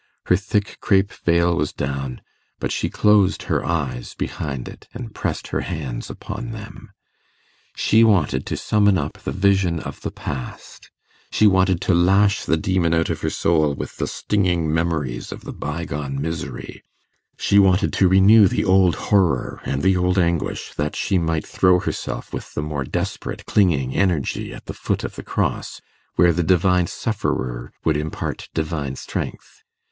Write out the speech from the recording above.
Her thick crape veil was down; but she closed her eyes behind it, and pressed her hands upon them. She wanted to summon up the vision of the past; she wanted to lash the demon out of her soul with the stinging memories of the bygone misery; she wanted to renew the old horror and the old anguish, that she might throw herself with the more desperate clinging energy at the foot of the cross, where the Divine Sufferer would impart divine strength.